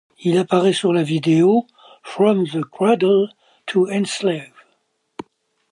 Il apparaît sur la vidéo From the Cradle to Enslave.